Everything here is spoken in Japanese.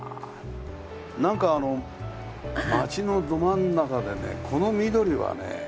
なんかあの街のど真ん中でねこの緑はね